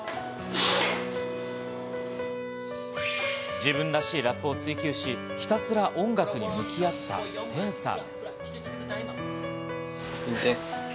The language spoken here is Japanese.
自分らしいラップを追求し、ひたすら音楽に向き合ったテンさん。